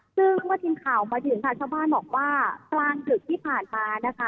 ซึ่งเมื่อทีมข่าวมาถึงค่ะชาวบ้านบอกว่ากลางดึกที่ผ่านมานะคะ